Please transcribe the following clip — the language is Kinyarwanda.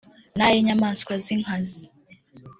n’ay’inyamaswa z’inkazi